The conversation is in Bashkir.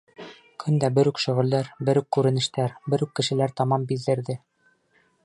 Көн дә бер үк шөғөлдәр, бер үк күренештәр, бер үк кешеләр тамам биҙҙерҙе.